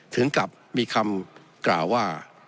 ถึงกับมีคำกล่าวว่า